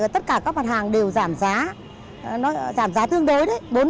tất cả các mặt hàng đều giảm giá giảm giá tương đối bốn năm mươi